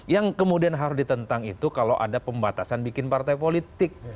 yang kemudian harus ditentang itu kalau ada pembatasan bikin partai politik